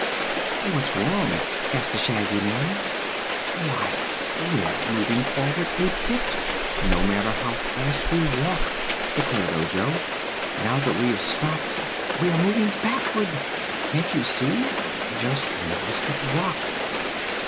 "What's wrong?" asked the Shaggy Man. "Why, we're not moving forward a bit, no matter how fast we walk," declared Ojo. "Now that we have stopped, we are moving backward! Can't you see? Just notice that rock."